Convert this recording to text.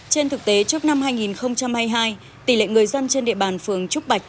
trên thực tế trước năm hai nghìn hai mươi hai tỷ lệ người dân trên địa bàn phường trúc bạch